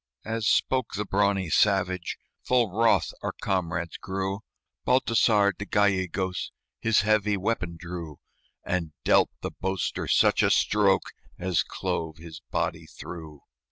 As spoke the brawny savage, Full wroth our comrades grew Baltasar de Gallegos His heavy weapon drew, And dealt the boaster such a stroke As clove his body through.